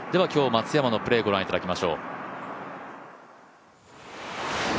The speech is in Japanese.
今日、松山のプレー御覧いただきましょう。